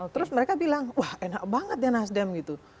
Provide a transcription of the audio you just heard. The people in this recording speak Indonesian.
terus mereka bilang wah enak banget ya nasdem gitu